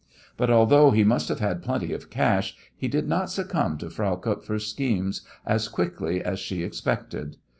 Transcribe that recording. But although he must have had plenty of cash he did not succumb to Frau Kupfer's scheme as quickly as she expected.